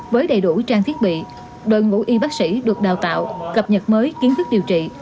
với đầy đủ trang thiết bị đội ngũ y bác sĩ được đào tạo cập nhật mới kiến thức điều trị